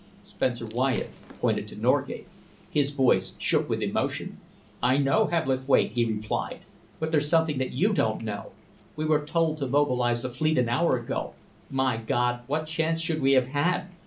Spencer Wyatt pointed to Norgate. His voice shook with emotion. "I know, Hebblethwaite," he replied, "but there's something that you don't know. We were told to mobilise the fleet an hour ago. My God, what chance should we have had!